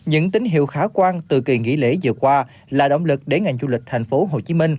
với hiệu khả quan từ kỳ nghỉ lễ vừa qua là động lực để ngành du lịch tp hcm